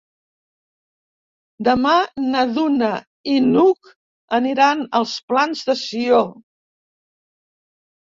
Demà na Duna i n'Hug aniran als Plans de Sió.